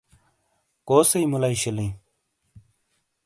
کوسئیی مُلئی شِیلیئں؟